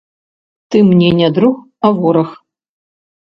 Ты мне не друг, а вораг.